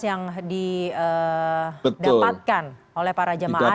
yang didapatkan oleh para jemaah